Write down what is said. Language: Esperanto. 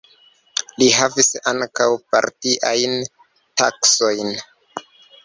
Li havis ankaŭ partiajn taskojn.